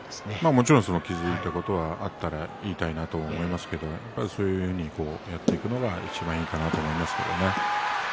もちろん気付いたことがあったら言いたいなと思いますけどそうやってやっていくのがいちばんいいかなと思いますけどね。